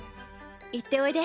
行っておいで。